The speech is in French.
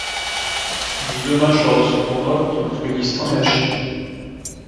Il joue deux matchs lors de ce tournoi, contre l'Ouzbékistan et la Chine.